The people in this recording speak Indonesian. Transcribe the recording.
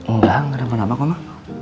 oh nggak kenapa kenapa kok ma